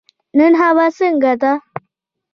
نن هوا څنګه ده؟